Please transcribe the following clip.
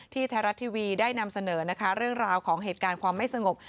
ไทยรัฐทีวีได้นำเสนอนะคะเรื่องราวของเหตุการณ์ความไม่สงบ